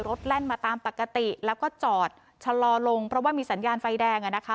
แล่นมาตามปกติแล้วก็จอดชะลอลงเพราะว่ามีสัญญาณไฟแดงอ่ะนะคะ